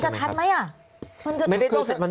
มันจะทันไหมอ่ะ